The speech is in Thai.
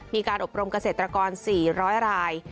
มีการอบรมเกษตรกร๔๐๐ราย